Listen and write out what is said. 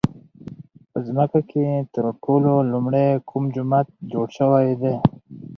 په ځمکه کې تر ټولو لومړی کوم جومات جوړ شوی دی؟